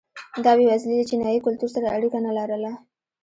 دا بېوزلي له چینايي کلتور سره اړیکه نه لرله.